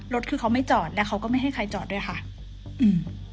รถคือเขาไม่จอดแล้วเขาก็ไม่ให้ใครจอดด้วยค่ะอืม